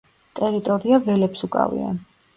ტერიტორია ველებს უკავია.